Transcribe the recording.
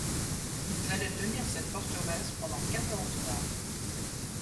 Ils allaient tenir cette forteresse pendant quatorze mois.